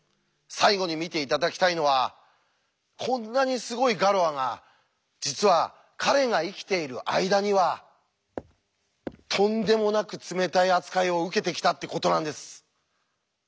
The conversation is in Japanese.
最後に見て頂きたいのはこんなにすごいガロアが実は彼が生きている間にはとんでもなく冷たい扱いを受けてきたってことなんです。